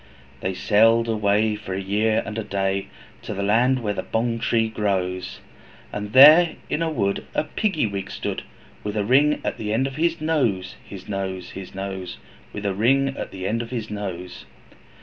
They sailed away for a year and a day, To the land where the Bong tree grows, And there in the wood a Piggy wig stood, With a ring in the end of his nose, His nose, His nose! With a ring in the end of his nose.